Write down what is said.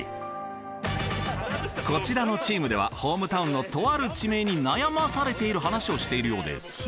こちらのチームではホームタウンのとある地名に悩まされている話をしているようです。